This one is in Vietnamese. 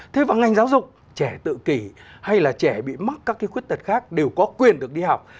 thế và ngành giáo dục trẻ tự kỷ hay là trẻ bị mắc các cái khuyết tật khác đều có quyền được đi học